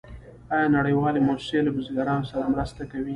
آیا نړیوالې موسسې له بزګرانو سره مرسته کوي؟